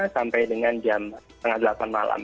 sampai dengan jam tengah delapan malam